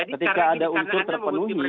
ketika ada unsur terpenuhi